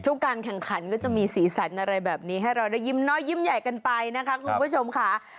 การแข่งขันก็จะมีสีสันอะไรแบบนี้ให้เราได้ยิ้มน้อยยิ้มใหญ่กันไปนะคะคุณผู้ชมค่ะ